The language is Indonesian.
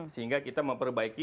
sehingga kita memperbaiki